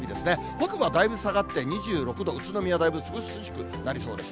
北部はだいぶ下がって２６度、宇都宮だいぶ涼しくなりそうです。